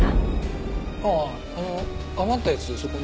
ああ余ったやつそこに。